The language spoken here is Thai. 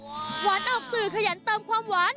หวานออกสื่อขยันเติมความหวาน